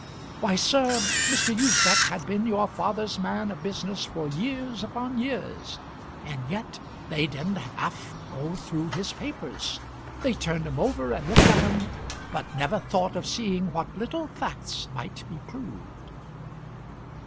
Why, sir, Mr. Usbech had been your father's man of business for years upon years, and yet they didn't half go through his papers. They turned 'em over and looked at 'em; but never thought of seeing what little facts might be proved."